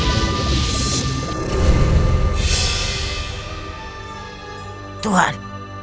kau tidak mau mem minum